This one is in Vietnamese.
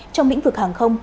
trong lĩnh vực hàng không